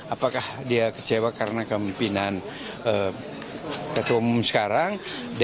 apakah dia kecewa karena kemimpinan ketua umum sekarang